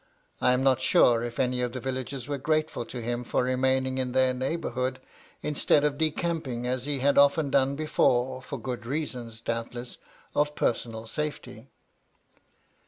I am not sure if any of the villagers were grateful to him for remaining in their neighbourhood, instead of decamping as he had often done before, for good reasons, doubtless, of personal safely.